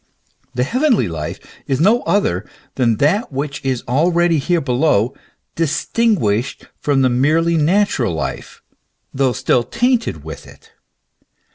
The heavenly life is no other than that which is, already here below, distinguished from the merely natural life, though still tainted with it.